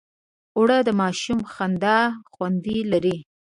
اوړه د ماشوم خندا خوند لري